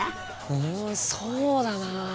うんそうだな。